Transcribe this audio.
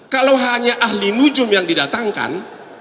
kalau hanya ahli nujum yang didatangkan